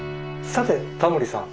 さてタモリさん。